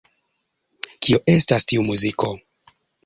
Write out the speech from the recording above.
Kio estas tiu muziko?